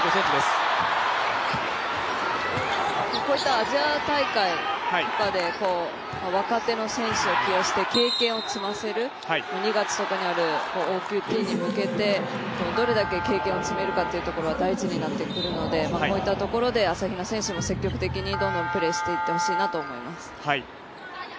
こういったアジア大会で若手の選手を起用して経験を積ませる２月とかにあるＯＱＴに向けてどれだけ経験を積めるかが大事になってくるのでこういったところで朝比奈選手も積極的にどんどんプレーしていってほしいなと思います。